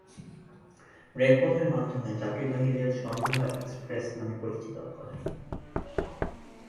রেলপথের মাধ্যমে যাত্রীবাহী রেল সমঝোতা এক্রপ্রেস নামে পরিচিতি লাভ করে।